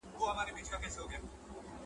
څېړنه د پوهې د پراختیا لاره ده.